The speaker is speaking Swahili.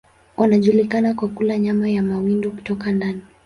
Wanajulikana kwa kula nyama ya mawindo kutoka ndani.